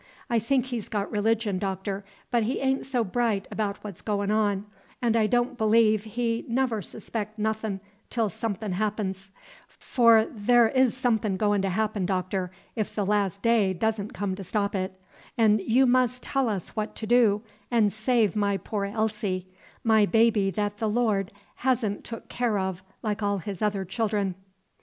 I think he's got religion, Doctor; but he a'n't so bright about what's goin' on, 'n' I don' believe he never suspec' nothin' till somethin' happens; for the' 's somethin' goin' to happen, Doctor, if the Las' Day does n' come to stop it; 'n' you mus' tell us what to do, 'n' save my poor Elsie, my baby that the Lord has n' took care of like all his other childer."